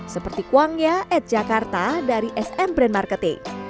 seperti kwangya at jakarta dari sm brand marketing